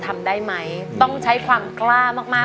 คุณยายแดงคะทำไมต้องซื้อลำโพงและเครื่องเสียง